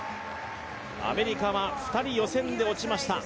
アメリカは２人予選で落ちました。